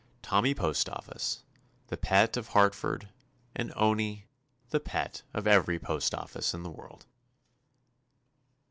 Tommy Postoffice, the pet of Hartford, and Owney, the pet of every postoffice in the world.